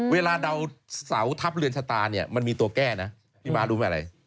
เวลาเดาเสาทัพเรือนชะตาเนี่ยมันมีตัวแก้นะพี่ม้ารู้ไหมอะไร